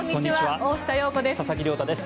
大下容子です。